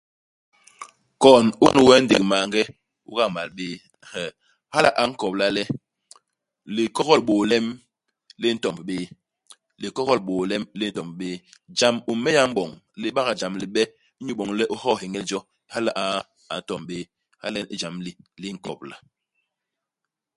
Kon u kon we ndék maange, u gamal bé. Hee, hala a nkobla le, likogol bôô i lem li ntomb bé. Likogol bôô i lem li ntomb bé. Jam u m'méya u m'boñ, li bak jam libe, inyu iboñ le u hoo heñel jo, hala a a ntomb bé. Hala nyen ijam li li nkobla.